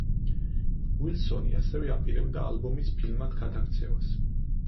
უილსონი ასევე აპირებდა ალბომის ფილმად გადაქცევას.